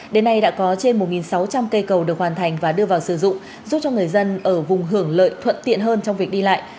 đến nay đã có trên một sáu trăm linh cây cầu được hoàn thành và đưa vào sử dụng giúp cho người dân ở vùng hưởng lợi thuận tiện hơn trong việc đi lại